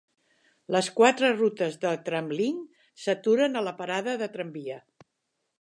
Les quatre rutes de Tramlink s'aturen a la parada de tramvia.